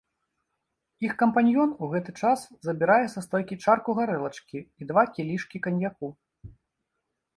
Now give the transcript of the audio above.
Іх кампаньён ў гэты час забірае са стойкі чарку гарэлачкі і два кілішкі каньяку.